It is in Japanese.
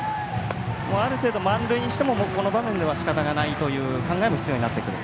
ある程度、満塁にしてもこの場面ではしかたないという考えも必要になってくると。